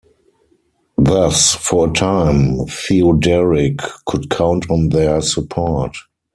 Thus, for a time, Theoderic could count on their support.